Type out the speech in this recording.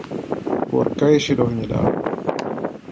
Borka je šedohnědá.